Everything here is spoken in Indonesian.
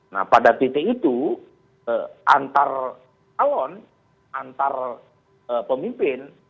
nah pada titik itu antar calon antar pemimpin